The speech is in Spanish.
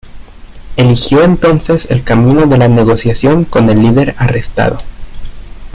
Eligió entonces el camino de la negociación con el líder arrestado.